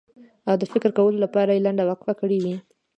او د فکر کولو لپاره یې لنډه وقفه کړې وي.